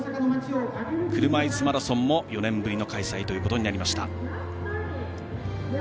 車いすマラソンも４年ぶりの開催となりました。